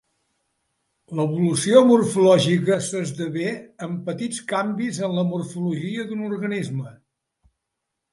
L'evolució morfològica s'esdevé amb petits canvis en la morfologia d'un organisme.